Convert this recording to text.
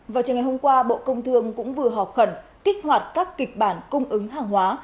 vào chiều ngày hôm qua bộ công thương cũng vừa họp khẩn kích hoạt các kịch bản cung ứng hàng hóa